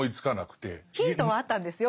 ヒントはあったんですよ